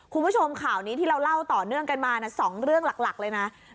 คุณผู้ชมข่าวนี้ที่เราเล่าต่อเนื่องกันมา๒เรื่องหลักเลยนะ